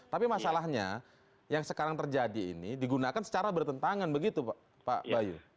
tapi masalahnya yang sekarang terjadi ini digunakan secara bertentangan begitu pak bayu